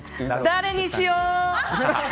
誰にしよう。